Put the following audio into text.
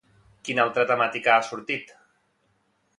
Quina altra temàtica ha sortit?